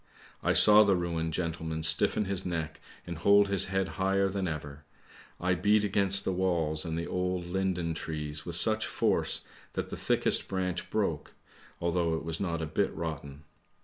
I saw the ruined gentleman stiffen his neck and hold his head higher than ever. I beat against the walls and the old linden trees with such force that the thickest branch broke, although it was not a bit rotten.